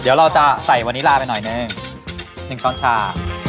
เดี๋ยวเราจะใส่วานิลาไปหน่อยหนึ่งนึงซ่อนชา